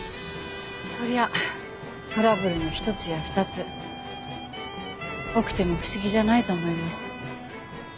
そりゃあトラブルの一つや二つ起きても不思議じゃないと思います。